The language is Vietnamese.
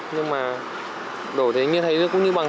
nhưng mà đổ thế như thế cũng như bằng